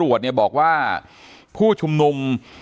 อย่างที่บอกไปว่าเรายังยึดในเรื่องของข้อ